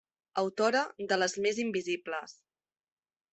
Autora de Les Més Invisibles: